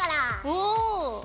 おお！